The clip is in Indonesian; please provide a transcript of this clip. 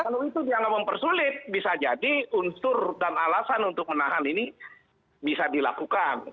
kalau itu dianggap mempersulit bisa jadi unsur dan alasan untuk menahan ini bisa dilakukan